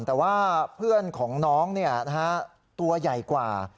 แต่ว่าเพื่อนของน้องตัวใหญ่กว่า